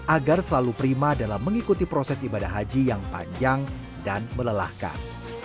agar selalu prima dalam mengikuti proses ibadah haji yang panjang dan melelahkan